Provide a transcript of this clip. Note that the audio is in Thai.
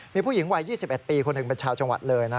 มีผู้หญิงวัย๒๑ปีคนหนึ่งเป็นชาวจังหวัดเลยนะ